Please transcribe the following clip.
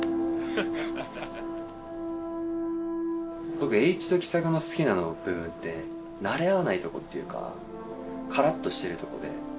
僕栄一と喜作の好きな部分ってなれ合わないとこっていうかカラッとしてるとこで。